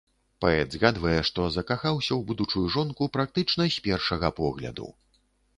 Паэт згадвае, што закахаўся ў будучую жонку практычна з першага погляду.